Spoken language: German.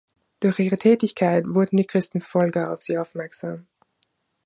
Durch ihre Tätigkeit wurden die Christenverfolger auf sie aufmerksam.